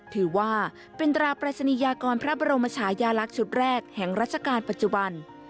ถือว่าเป็นตราปรายศนียากรพระบรมชายาลักษณ์ชุดแรกแห่งราชการปัจจุบัน